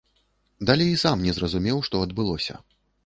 Далей сам не зразумеў, што адбылося.